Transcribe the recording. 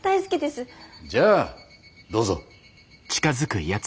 じゃあどうぞ。